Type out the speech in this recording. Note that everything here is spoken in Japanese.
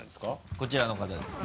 こちらの方です。